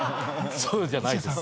そうじゃないです。